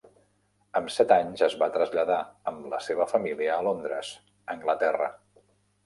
Amb set anys, es va traslladar amb la seva família a Londres, Anglaterra.